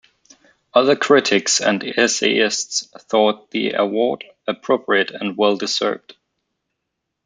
Other critics and essayists thought the award appropriate and well deserved.